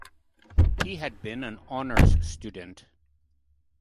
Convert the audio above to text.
He had been an honors student.